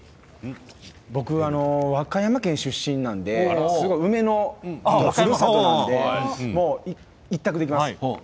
僕、和歌山県出身なので梅のふるさとなんで１択です。